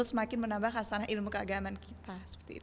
semakin menambah khasanah ilmu keagaman kita